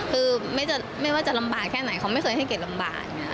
คือไม่ว่าจะลำบากแค่ไหนเขาไม่เคยให้เกรดลำบาก